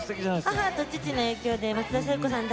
母と父の影響で松田聖子さん